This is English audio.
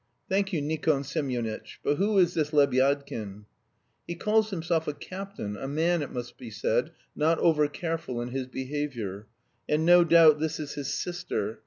Thank you, Nikon Semyonitch. But who is this Lebyadkin?" "He calls himself a captain, a man, it must be said, not over careful in his behaviour. And no doubt this is his sister.